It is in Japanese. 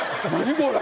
これ。